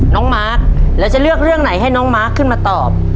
มาร์คแล้วจะเลือกเรื่องไหนให้น้องมาร์คขึ้นมาตอบ